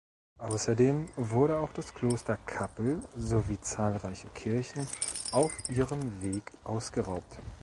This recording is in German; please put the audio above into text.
Ausserdem wurde auch das Kloster Kappel sowie zahlreiche Kirchen auf ihrem Weg ausgeraubt.